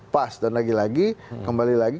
pas dan lagi lagi kembali lagi